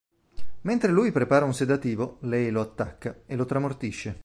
Mentre lui prepara un sedativo, lei lo attacca e lo tramortisce.